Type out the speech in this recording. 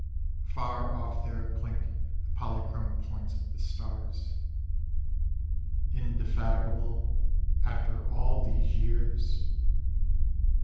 Afar off there clink the polychrome points of the stars, Indefatigable, after all these years!